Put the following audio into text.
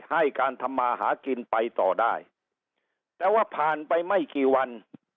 ให้การทำมาหากินไปต่อได้แต่ว่าผ่านไปไม่กี่วัน